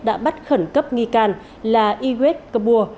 đã bắt khẩn cấp nghi can là yves cabour